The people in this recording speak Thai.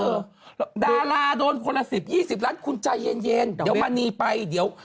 เออดาราโดนคนละสิบยี่สิบล้านคุณใจเย็นเย็นเดี๋ยวมันนีไปเดี๋ยว